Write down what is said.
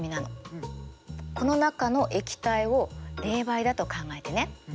この中の液体を冷媒だと考えてね。